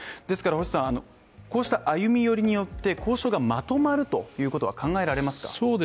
ですからこうした歩み寄りによって交渉がまとまるということは考えられますか？